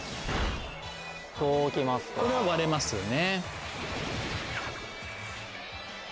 これは割れますよね。